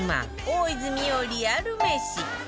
大泉洋リアルメシ